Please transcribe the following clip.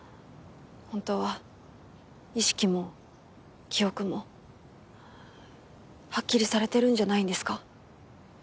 本当は意識も記憶もはっきりされてるんじゃないんですか？